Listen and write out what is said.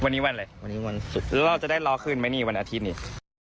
วันนี้วันอะไรวันนี้วันศุกร์แล้วเราจะได้รอขึ้นไหมนี่วันอาทิตย์นี่